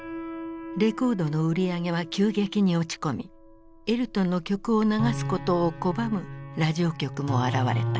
レコードの売り上げは急激に落ち込みエルトンの曲を流すことを拒むラジオ局も現れた。